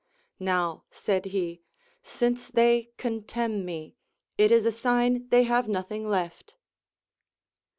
Now, said he, since they contemn me. it is a sign they have nothing left.